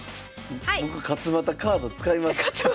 僕勝又カード使いますからね。